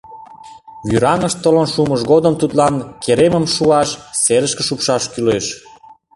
Вӱраҥыш толын шумыж годым тудлан керемым шуаш, серышке шупшаш кӱлеш.